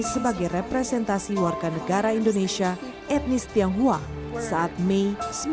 sebagai representasi warga negara indonesia etnis tionghoa saat mei seribu sembilan ratus sembilan puluh